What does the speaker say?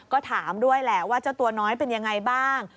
ก็ถามด้วยแหละว่าเจ้าตัวน้อยเป็นยังไงบ้าง